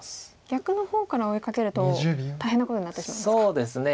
逆の方から追いかけると大変なことになってしまいますか。